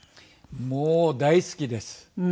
もう大好きです。